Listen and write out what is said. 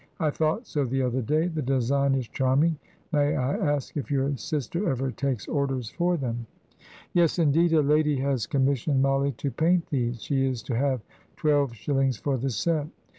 "I thought so the other day. The design is charming. May I ask if your sister ever takes orders for them?" "Yes, indeed; a lady has commissioned Mollie to paint these. She is to have twelve shillings for the set."